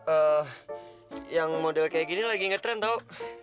ah yang model kayak gini lagi ngetren tau